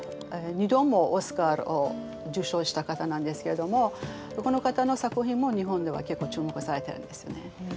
２度もオスカーを受賞した方なんですけれどもこの方の作品も日本では結構注目されてるんですね。